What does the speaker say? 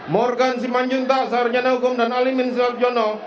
morgan simanjuntal sarjana hukum dan alimin silapjono